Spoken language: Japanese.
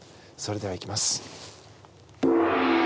それでは、いきます。